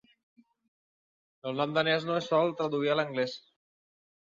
El nom danès no es sol traduir a l'anglès.